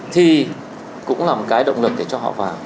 thì cũng là một cái động lực để cho họ vào